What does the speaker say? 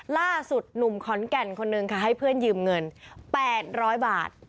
ล่าสุดหนุ่มขอนแก่นคนนึงค่ะให้เพื่อนยืมเงิน๘๐๐บาท